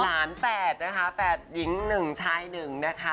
แฝดนะคะแฝดหญิงหนึ่งชายหนึ่งนะคะ